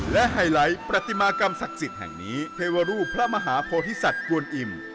และไฮไลท์ประติมากรรมศักดิ์สิทธิ์แห่งนี้เทวรูปพระมหาโพธิสัตว์กวนอิ่ม